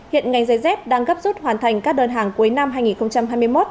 hiện ngành dây dép đang gấp rút hoàn thành các đơn hàng cuối năm hai nghìn hai mươi một